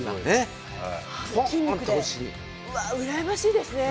うわ羨ましいですね。